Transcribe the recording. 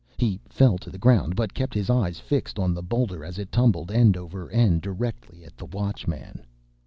He fell to the ground, but kept his eyes fixed on the boulder as it tumbled end over end, directly at the Watchman.